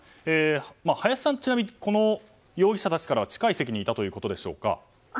林さんは容疑者たちから近い席にいたということでしょうか？